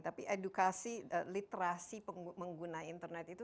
tapi edukasi literasi pengguna internet itu